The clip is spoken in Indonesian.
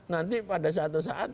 nanti pada suatu saat